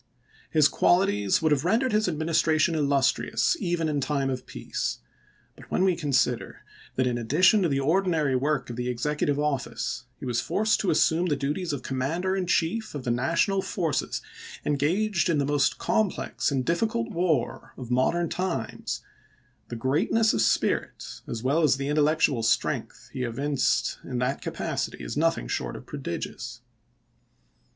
His qualities would have rendered his adminis tration illustrious even in time of peace ; but when we consider that in addition to the ordinary work of the executive office he was forced to assume the duties of Commander in Chief of the National forces engaged in the most complex and difficult war of modern times, the greatness of spirit as well as the intellectual strength he evinced in that capacity is nothing short of prodigious.